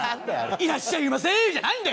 「いらっしゃいませー！」じゃないんだよ！